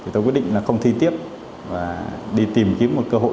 thì tôi quyết định là không thi tiếp và đi tìm kiếm một cơ hội